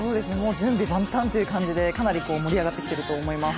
準備万端という感じで、かなり盛り上がってきていると思います。